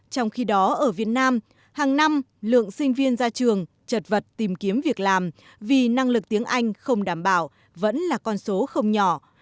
trong khi đó ở việt nam hàng năm lượng sinh viên ra trường chật vật tìm kiếm việc làm vì năng lực tiếng anh không đảm bảo vẫn là con số không nhỏ